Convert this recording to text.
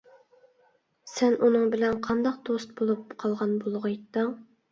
سەن ئۇنىڭ بىلەن قانداق دوست بولۇپ قالغان بولغىيتتىڭ!